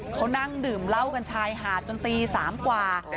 เขานั่งดื่มเหล้ากันชายหาดจนตี๓กว่า